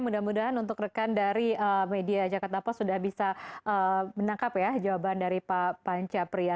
mudah mudahan untuk rekan dari media jakarta post sudah bisa menangkap ya jawaban dari pak panca pria